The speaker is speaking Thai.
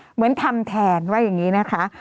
เหมือนทำแทนว่าอย่างนี้นะคะ